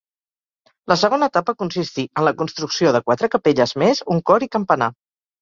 La segona etapa consistí en la construcció de quatre capelles més, un cor i campanar.